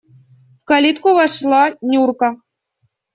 В калитку вошла Нюрка.